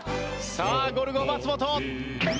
さあゴルゴ松本。